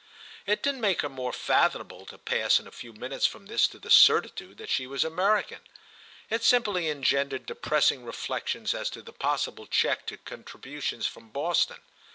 It didn't make her more fathomable to pass in a few minutes from this to the certitude that she was American; it simply engendered depressing reflexions as to the possible check to contributions from Boston.